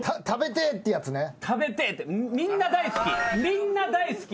みんな大好き。